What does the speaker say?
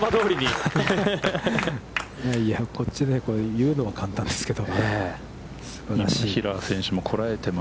いやいやこっちで言うのは簡単ですけど、すばらしい。